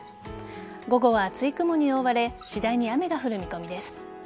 午後は厚い雲に覆われ次第に雨が降る見込みです。